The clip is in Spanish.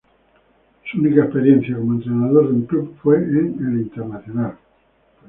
Su única experiencia como entrenador de un club fue en el Internacional.